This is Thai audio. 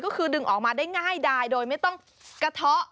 ก็คือดึงออกมาได้ง่ายดายโดยไม่ต้องกระเทาะ